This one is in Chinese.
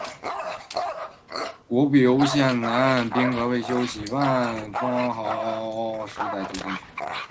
国步犹艰难，兵革未休息。万方哀嗷嗷，十载供军食。